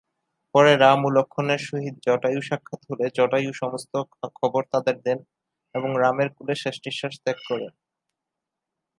পরে রাম ও লক্ষ্মণের সহিত জটায়ু সাক্ষাৎ হলে জটায়ু সমস্ত খবর তাদের দেন এবং রামের কোলে শেষ নিঃশ্বাস ত্যাগ করেন।